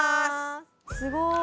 すごい。